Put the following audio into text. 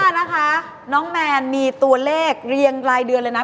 นะคะน้องแมนมีตัวเลขเรียงรายเดือนเลยนะ